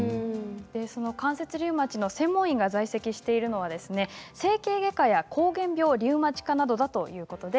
関節リウマチの専門医が在籍しているのは整形外科やこう原病リウマチ科などだということです。